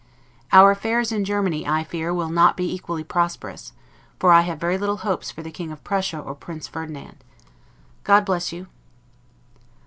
Our affairs in Germany, I fear, will not be equally prosperous; for I have very little hopes for the King of Prussia or Prince Ferdinand. God bless you.